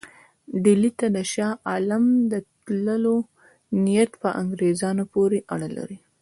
ډهلي ته د شاه عالم د تللو نیت په انګرېزانو پورې اړه لري.